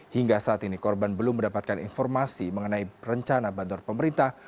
hingga saat ini korban belum mendapatkan informasi mengenai rencana bandar pemerintah